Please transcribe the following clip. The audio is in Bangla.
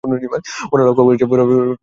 ওরা লক্ষ্য করছে।